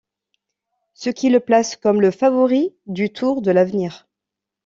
Ce qui le place comme le favori du Tour de l'Avenir.